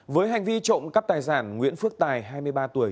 với hành vi trộm cắp tài sản nguyễn phước tài hai mươi ba tuổi